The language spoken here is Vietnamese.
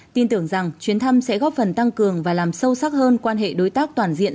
tin tưởng rằng chuyến thăm sẽ góp phần tăng cường và làm sâu sắc hơn quan hệ đối tác toàn diện